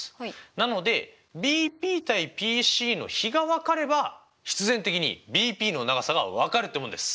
なのでＢＰ：ＰＣの比が分かれば必然的にＢＰの長さが分かるってもんです。